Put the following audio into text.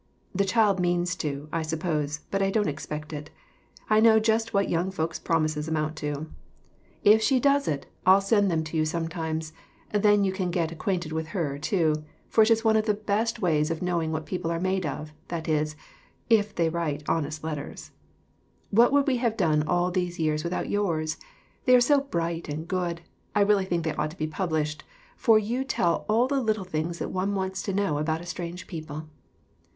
The child means to, I suppose, but I don't expect it. I know just what young folks' promises amount to. If she does I'll 14 AUNT HANNAH S LETTER TO HER SISTER. send them to you sometimes, then you can get acquainted with her, too, for it is one of the best ways of knowing what people are made of; that is, if they write honest letters. What would we have done all these years with out yours ? They are so bright and good I really think they ought to be published, for you tell all the little things that one wants to know about a strange people.